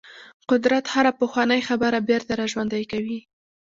قدرت هره پخوانۍ خبره بیرته راژوندۍ کوي.